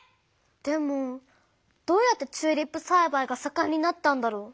でもどうやってチューリップさいばいがさかんになったんだろう？